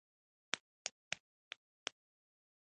ريموټ د عرب مجاهد په لاس کښې و.